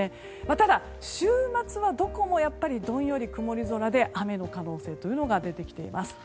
ただ、週末はどこもやっぱりどんより曇り空で雨の可能性が出てきています。